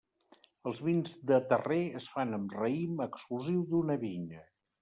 Els vins de terrer es fan amb raïm exclusiu d'una vinya.